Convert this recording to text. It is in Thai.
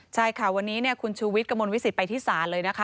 ใช่ค่ะวันนี้คุณชูวิทย์กระมวลวิสิตไปที่ศาลเลยนะคะ